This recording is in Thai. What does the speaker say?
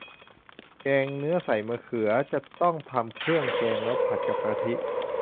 แกงเนื้อใส่มะเขือ จะต้องทำเครื่องแกงแล้วผัดกับกะทิ